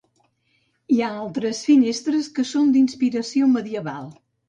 Hi ha altres finestres que són d'inspiració medieval.